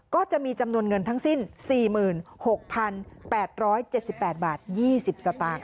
ก็จะมีจำนวนเงินทั้งสิ้นสี่หมื่นหกพันแปดร้อยเจ็ดสิบแปดบาทยี่สิบสตางค์